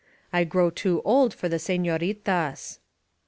I grow too old for the senoritas."